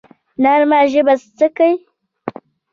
نرمه ژبه څه کوي؟